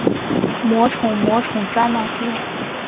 魔宠魔宠专卖店